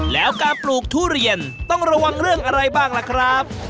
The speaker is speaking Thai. แล้วการปลูกทุเรียนต้องระวังเรื่องอะไรบ้างล่ะครับ